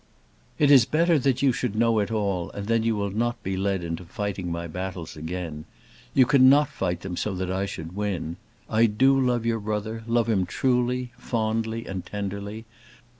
"It is better that you should know it all, and then you will not be led into fighting my battles again. You cannot fight them so that I should win; I do love your brother; love him truly, fondly, tenderly.